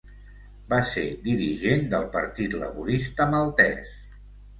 Va ser dirigent del Partit Laborista maltès.